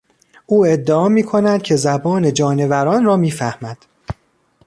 او ادعا میکند که زبان جانوران را میفهمد.